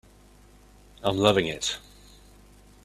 I'm loving it.